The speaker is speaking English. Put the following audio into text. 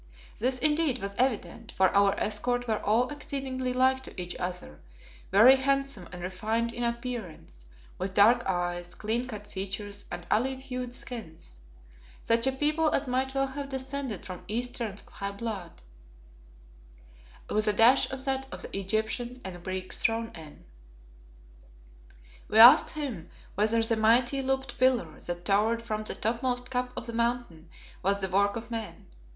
This, indeed, was evident, for our escort were all exceedingly like to each other, very handsome and refined in appearance, with dark eyes, clean cut features and olive hued skins; such a people as might well have descended from Easterns of high blood, with a dash of that of the Egyptians and Greeks thrown in. We asked him whether the mighty looped pillar that towered from the topmost cup of the Mountain was the work of men.